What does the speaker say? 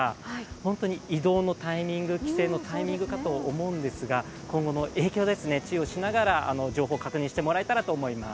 本当に移動のタイミング、帰省のタイミングかと思いますが今後の影響、注意をしながら情報を確認してもらえたらと思います。